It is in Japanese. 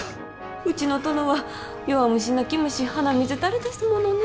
うちの殿は弱虫、泣き虫、鼻水たれですものね。